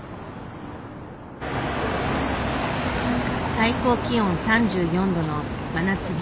最高気温３４度の真夏日。